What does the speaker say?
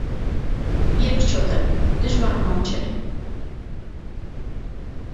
Երկչոտ է, դժվարամատչելի։